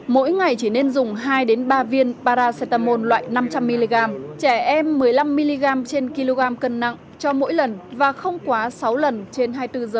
mỗi ngày chỉ nên dùng hai ba viên paracetamol loại năm trăm linh mg trẻ em một mươi năm mg trên kg cân nặng cho mỗi lần và không quá sáu lần trên hai mươi bốn h